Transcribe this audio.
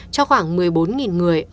cho khoảng một mươi bốn người